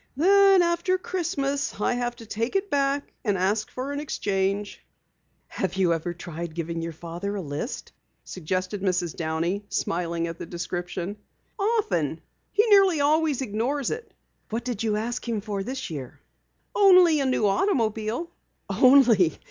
"Then after Christmas I have to take it back and ask for an exchange." "Have you ever tried giving your father a list?" suggested Mrs. Downey, smiling at the description. "Often. He nearly always ignores it." "What did you ask him for this year?" "Only a new automobile." "Only!